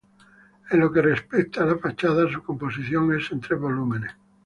En lo que respecta a la fachada, su composición es en tres volúmenes.